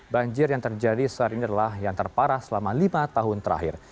banjir yang terjadi saat ini adalah yang terparah selama lima tahun terakhir